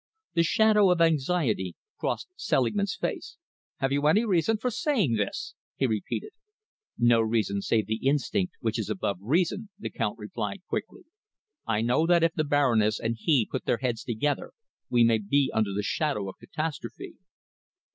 The shadow of anxiety crossed Selingman's face. "Have you any reason for saying this?" he repeated. "No reason save the instinct which is above reason," the Count replied quickly. "I know that if the Baroness and he put their heads together, we may be under the shadow of catastrophe."